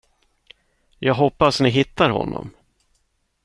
Jag hoppas ni hittar honom.